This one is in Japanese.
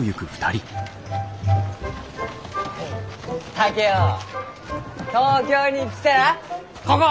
竹雄東京に来たらここ！